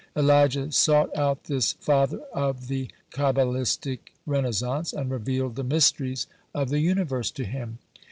Elijah sought out this "father of the Kabbalistic Renaissance," and revealed the mysteries of the universe to him.